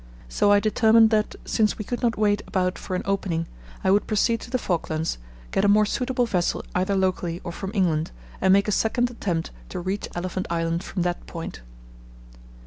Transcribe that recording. So I determined that, since we could not wait about for an opening, I would proceed to the Falklands, get a more suitable vessel either locally or from England, and make a second attempt to reach Elephant Island from that point.